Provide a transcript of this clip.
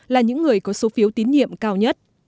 là những người có số phiếu tín nhiệm cao nhất